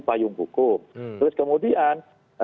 payung hukum terus kemudian